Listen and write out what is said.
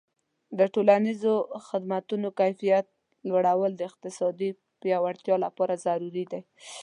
د ټولنیزو خدماتو کیفیت لوړول د اقتصادي پیاوړتیا لپاره ضروري دي.